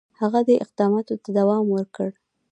هغه دي اقداماتو ته دوام ورکړي.